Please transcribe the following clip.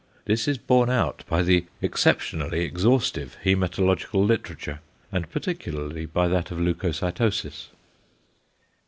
This is borne out by the exceptionally exhaustive hæmatological literature, and particularly by that of leucocytosis.